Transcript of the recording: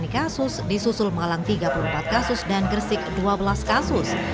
tiga puluh empat kasus dan gersik dua belas kasus